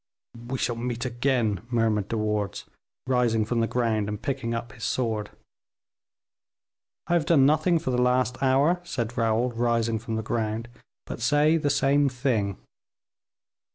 "We shall meet again," murmured De Wardes, rising from the ground and picking up his sword. "I have done nothing for the last hour," said Raoul, rising from the ground, "but say the same thing."